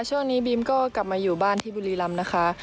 ช่วงนี้บีมก็กลับมาอยู่บ้านที่บุรีรำนะคะ